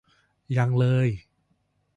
ยังเลย